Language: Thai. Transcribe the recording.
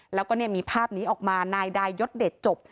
แล้วก็มีภาพนี้ออกมานายดายยศเดชจบ